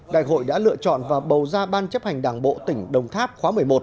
đại hội đã lựa chọn và bầu ra ban chấp hành đảng bộ tỉnh đồng tháp khóa một mươi một